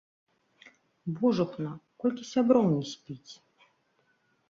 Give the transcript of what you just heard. Божухна, колькі сяброў не спіць!